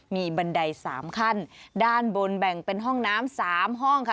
มีบันไดสามขั้นด้านบนแบ่งเป็นห้องน้ำสามห้องค่ะ